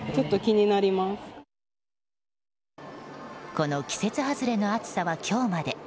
この季節外れの暑さは今日まで。